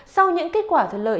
sau những kết quả thuận lợi